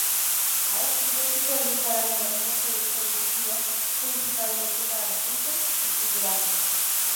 Ha escrito episodios para numerosas series televisivas, principalmente para "Los Simpson" y "Futurama".